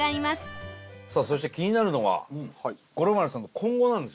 さあそして気になるのが五郎丸さんの今後なんですよね。